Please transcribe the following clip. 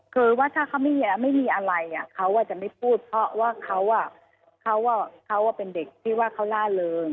คือว่าถ้าเขาไม่มีอะไรเขาจะไม่พูดเพราะว่าเขาเป็นเด็กที่ว่าเขาล่าเริง